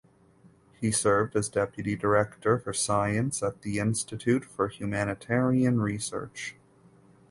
He served as Deputy Director for Science at the Institute for Humanitarian Research.